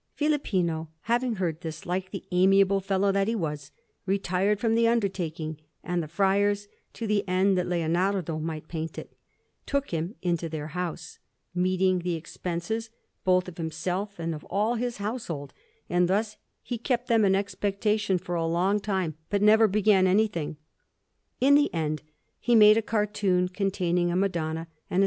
Filippino, having heard this, like the amiable fellow that he was, retired from the undertaking; and the friars, to the end that Leonardo might paint it, took him into their house, meeting the expenses both of himself and of all his household; and thus he kept them in expectation for a long time, but never began anything. In the end, he made a cartoon containing a Madonna and a S.